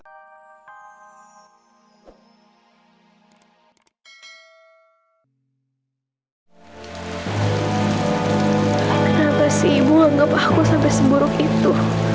kenapa sih ibu anggap aku sampai seburuk itu